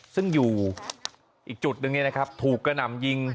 ซึ่งอยู่อีกจุดหนึ่งเนี่ยนะครับถูกกระหน่ำยิง